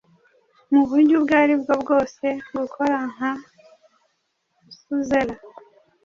Muburyo ubwo aribwo bwose gukora nka suzera